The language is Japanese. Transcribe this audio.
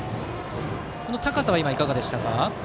この高さはいかがでしたか？